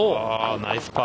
ナイスパー。